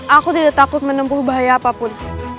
aku tidak takut menempuh bahaya apapun